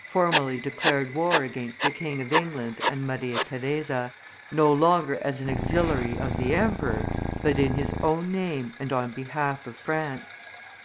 formally declared war against the King of England and Maria Theresa, no longer as an auxiliary of the 'emperor, but in his own name and on behalf of France.